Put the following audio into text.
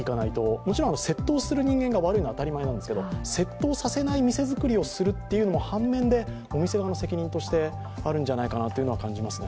もちろん窃盗する人間が悪いのは当たり前なんですけど、窃盗させない店作りをするという反面でお店側の責任してあるんじゃないかなと感じますね。